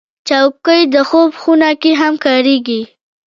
چوکۍ د خوب خونه کې هم کارېږي.